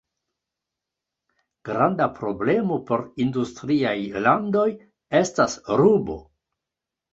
Granda problemo por industriaj landoj estas rubo.